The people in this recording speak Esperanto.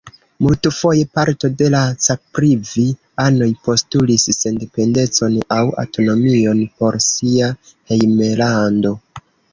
Multfoje parto de la Caprivi-anoj postulis sendependecon aŭ aŭtonomion por sia hejmlando.